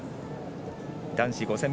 男子５０００